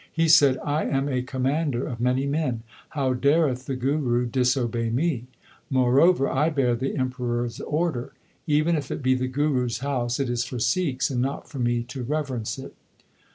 He said : I am a commander of many men ; how dareth the Guru disobey me ? Moreover I bear the Emperor s order. Even if it be the Guru s house, it is for Sikhs and not for me to rever ence it.